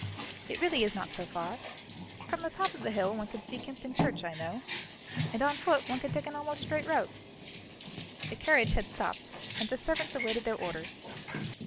It really is not so far; from the top of the hill one can see Kympton Church, I know, and on foot one can take an almost straight route." The carriage had stopped and the servants awaited their orders.